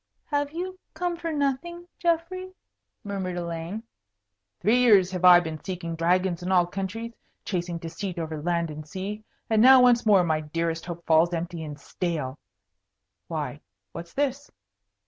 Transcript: "Have you come for nothing, Geoffrey?" murmured Elaine. "Three years have I been seeking dragons in all countries, chasing deceit over land and sea. And now once more my dearest hope falls empty and stale. Why, what's this?"